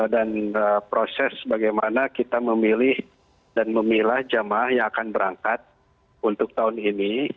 dan proses bagaimana kita memilih dan memilah jamah yang akan berangkat untuk tahun ini